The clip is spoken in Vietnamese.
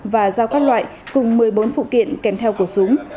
và giao các loại cùng một mươi bốn phụ kiện kèm theo của súng